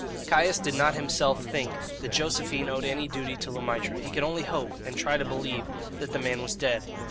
Caius did not himself think that Josephine owed any duty to La Maître; he could only hope, and try to believe, that the man was dead.